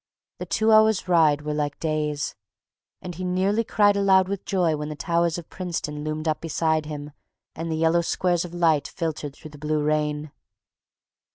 The two hours' ride were like days, and he nearly cried aloud with joy when the towers of Princeton loomed up beside him and the yellow squares of light filtered through the blue rain.